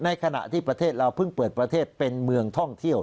ขณะที่ประเทศเราเพิ่งเปิดประเทศเป็นเมืองท่องเที่ยว